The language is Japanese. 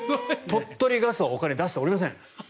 鳥取ガスはお金を出しておりません。